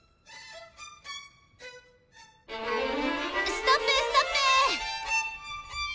ストップストップ！